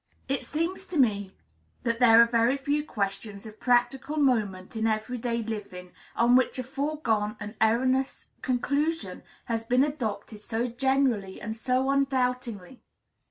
It seems to me that there are few questions of practical moment in every day living on which a foregone and erroneous conclusion has been adopted so generally and so undoubtingly.